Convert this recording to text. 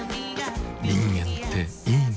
人間っていいナ。